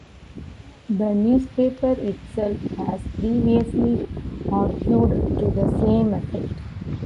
The newspaper itself has previously argued to the same effect.